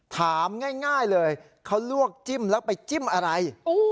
ถามง่ายเลยเขาลวกจิ้มแล้วไปจิ้มอะไร